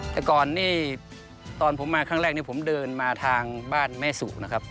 แต่ก่อนนี่ตอนผมมาครั้งแรกนี้ผมเดินมาทางบ้านแม่สุนะครับ